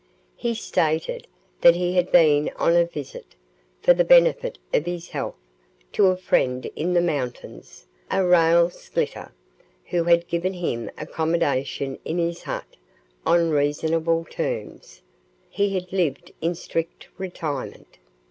He stated that he had been on a visit, for the benefit of his health, to a friend in the mountains, a rail splitter, who had given him accommodation in his hut on reasonable terms. He had lived in strict retirement.